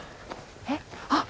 えっあっ！